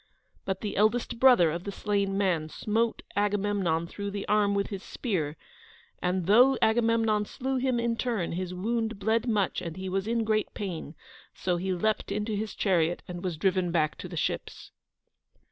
But the eldest brother of the slain man smote Agamemnon through the arm with his spear, and, though Agamemnon slew him in turn, his wound bled much and he was in great pain, so he leaped into his chariot and was driven back to the ships.